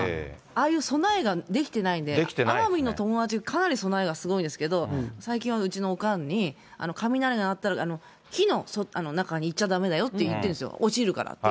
ああいう備えができてないんで、奄美の友達、かなり備えがすごいですけど、最近はうちのおかんに、雷が鳴ったら、木の中にいちゃだめだよって言ってるんですよ、落ちるからって。